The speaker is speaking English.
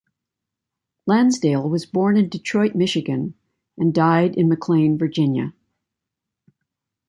Lansdale was born in Detroit, Michigan and died in McLean, Virginia.